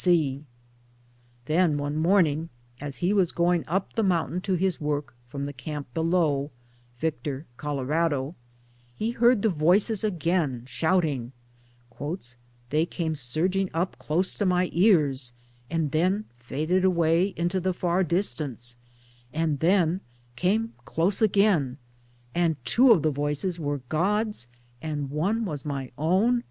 C. Then one morning as he was 'going up the mountain to his work from the camp below (Victor, Colorado), he heard the voices again shouting :* They came surging up close to my ears, and then faded away into the far distance, and then came close again and two of the voices were God's, and one was my own [